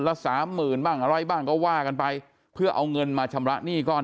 ละสามหมื่นบ้างอะไรบ้างก็ว่ากันไปเพื่อเอาเงินมาชำระหนี้ก้อน